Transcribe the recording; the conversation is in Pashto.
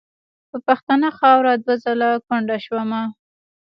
په پښتنه خاوره دوه ځله کونډه شومه .